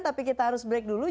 tapi kita harus break dulu